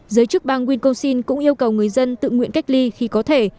giới chức bang wisconsin cũng yêu cầu người dân tự nguyện cách ly khi có thể